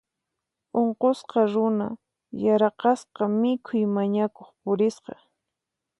Unqusqa runa yaraqasqa mikhuy mañakuq purisqa.